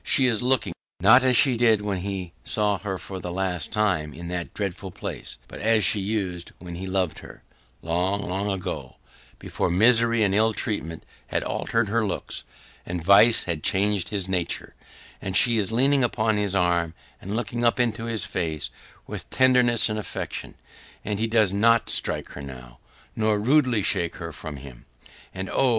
She is looking not as she did when he saw her for the last time in that dreadful place, but as she used when he loved her long, long ago, before misery and ill treatment had altered her looks, and vice had changed his nature, and she is leaning upon his arm, and looking up into his face with tenderness and affection and he does NOT strike her now, nor rudely shake her from him. And oh!